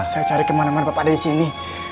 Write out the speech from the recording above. saya cari kemana mana pak pada disini